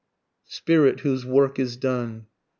SPIRIT WHOSE WORK IS DONE.